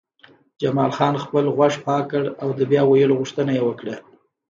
جمال خان خپل غوږ پاک کړ او د بیا ویلو غوښتنه یې وکړه